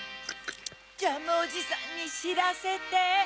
ジャムおじさんにしらせて。